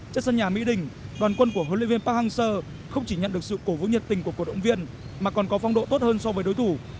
trên sân nhà mỹ đình đoàn quân của huấn luyện viên park hang seo không chỉ nhận được sự cổ vũ nhiệt tình của cổ động viên mà còn có phong độ tốt hơn so với đối thủ